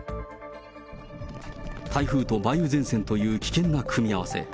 台風と梅雨前線という危険な組み合わせ。